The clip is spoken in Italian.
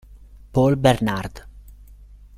Paul Bernard